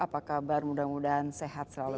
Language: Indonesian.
apa kabar mudah mudahan sehat selalu